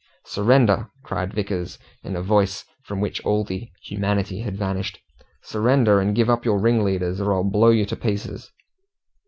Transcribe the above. "Surrender!" cried Vickers, in a voice from which all "humanity" had vanished. "Surrender, and give up your ringleaders, or I'll blow you to pieces!"